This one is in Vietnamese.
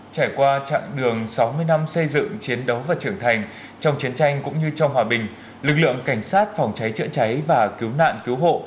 trải qua chặng đường sáu mươi năm xây dựng chiến đấu và trưởng thành trong chiến tranh cũng như cho hòa bình lực lượng cảnh sát phòng cháy chữa cháy và cứu nạn cứu hộ